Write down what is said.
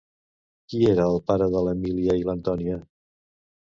Qui era el pare de l'Emília i l'Antònia?